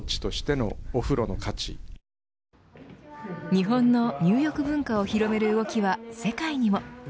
日本の入浴文化を広める動きは世界にも。